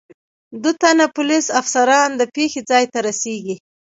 دو تنه پولیس افسران د پېښې ځای ته رسېږي.